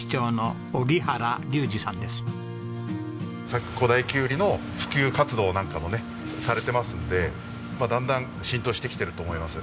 佐久古太きゅうりの普及活動なんかもねされてますんでだんだん浸透してきていると思います。